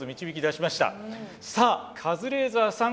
さあカズレーザーさん